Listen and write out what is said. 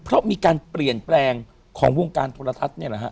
เพราะมีการเปลี่ยนแปลงของวงการโทรทัศน์นี่แหละฮะ